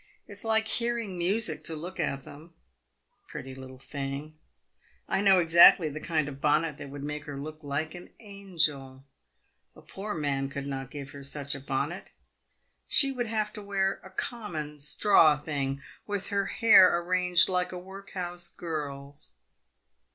It is like hearing music to look at them ! Pretty little thing ! I know exactly the kind of bonnet that would make her look like an angel. A poor man could not give her such a bonnet. She would have to wear a common straw thing, with her hair arranged like a workhouse girl's.